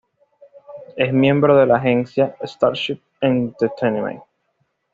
Es miembro de la agencia "Starship Entertainment".